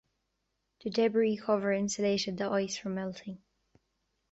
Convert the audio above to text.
The debris cover insulated the ice from melting.